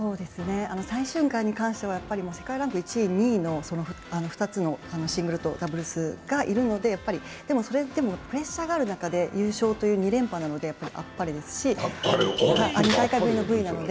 再春館に関しては世界ランク１位と２位の２つの、シングルとダブルスがいるのでそれでもプレッシャーがある中で優勝という、２大会ぶりのＶなので。